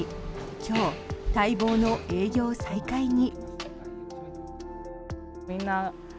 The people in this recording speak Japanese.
今日、待望の営業再開に。